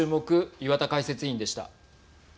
岩田解説委員でした。